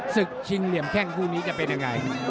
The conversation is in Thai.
ศึกชิงเหลี่ยมแข้งคู่นี้จะเป็นยังไง